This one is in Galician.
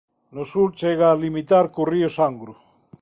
No sur chega a limitar co río Sangro.